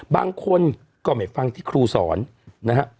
บางคนก็ไม่ฟังที่ครูสอนนะฮะ